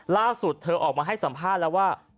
ล่าสุดเธอออกมาให้สัมภาษณ์แล้วว่า